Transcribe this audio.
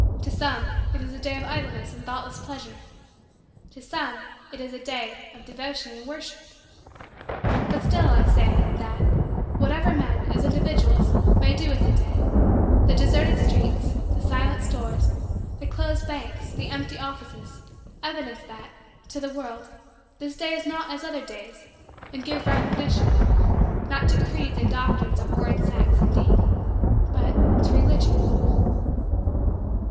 To some, it is a day of idleness and thoughtless pleasure. To some, it is a day of devotion and worship. But still, I say, that, whatever men, as individuals, may do with the day, the deserted streets, the silent stores, the closed banks, the empty offices, evidence that, to the world, this day is not as other days and give recognition not to creeds and doctrines of warring sects indeed but, to Religion.